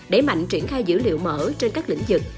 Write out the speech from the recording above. đẩy mạnh triển khai dữ liệu mở trên các lĩnh vực